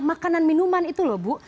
makanan minuman itu loh bu